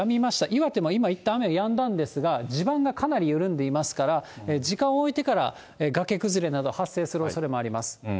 岩手も今、いったん雨やんだんですが、地盤がかなり緩んでいますから、時間を置いてから崖崩れなど発生するおそれもあります。